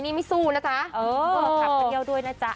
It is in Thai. นี่ไม่สู้นะจ๊ะเออเออพักกันเดียวด้วยนะจ๊ะ